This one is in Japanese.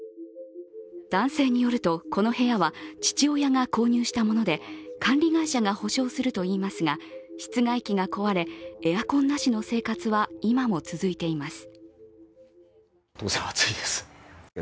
男性によると、この部屋は父親が購入したもので管理会社が補償するといいますが室外機が壊れエアコンなしの生活は今も続いています。